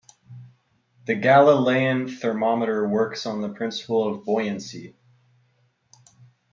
The Galilean thermometer works on the principle of buoyancy.